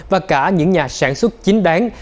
và cả những nhà sản xuất chính đáng